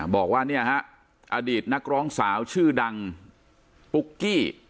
บอกว่าเนี่ยฮะอดีตนักร้องสาวชื่อดังปุ๊กกี้